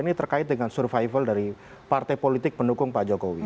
ini terkait dengan survival dari partai politik pendukung pak jokowi